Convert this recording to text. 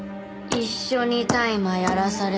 一緒に大麻やらされて。